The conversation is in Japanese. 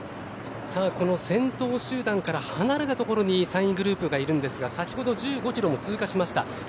この先頭集団から離れたところに３位グループがいるんですが先ほど１５キロを通過しました。